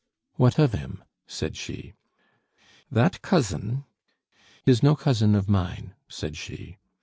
"What of him?" said she. "That cousin " "Is no cousin of mine," said she.